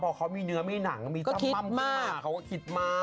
เพราะเขามีเนื้อมีหนังมีจ้ำม่ำขึ้นมากเขาก็คิดมากก็คิดมาก